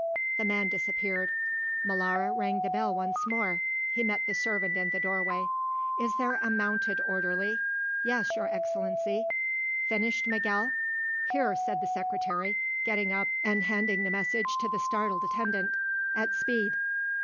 The man disappeared. Molara rang the bell once more. He met the servant in the doorway. "Is there a mounted orderly?" "Yes, Your Excellency." "Finished, Miguel?" "Here," said the Secretary, getting up and handing the message to the startled attendant, "at speed."